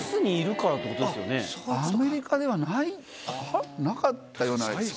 アメリカではなかったような。